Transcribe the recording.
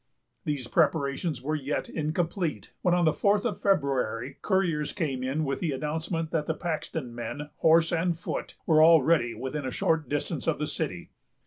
These preparations were yet incomplete, when, on the fourth of February, couriers came in with the announcement that the Paxton men, horse and foot, were already within a short distance of the city.